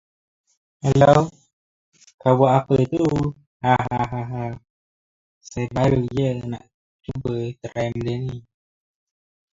The theme for the series was written by Mike Post.